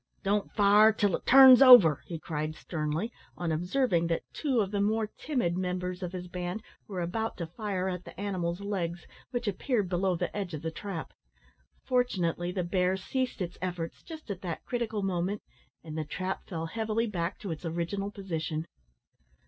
"Don't fire till it turns over," he cried, sternly, on observing that two of the more timid members of his band were about to fire at the animal's legs, which appeared below the edge of the trap. Fortunately, the bear ceased its efforts just at that critical moment, and the trap fell heavily back to its original position.